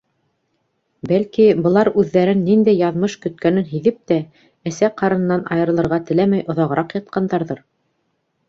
Бәлки, былар үҙҙәрен ниндәй яҙмыш көткәнен һиҙеп тә әсә ҡарынынан айырылырға теләмәй оҙағыраҡ ятҡандарҙыр?!